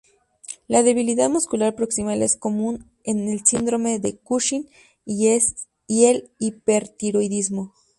La debilidad muscular proximal es común en el síndrome de Cushing y el hipertiroidismo.